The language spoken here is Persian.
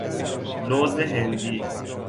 لوز هندی